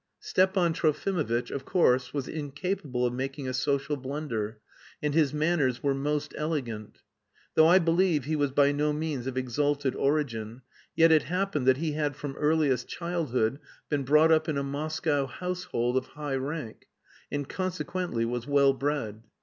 Stepan Trofimovitch of course was incapable of making a social blunder, and his manners were most elegant. Though I believe he was by no means of exalted origin, yet it happened that he had from earliest childhood been brought up in a Moscow household of high rank, and consequently was well bred.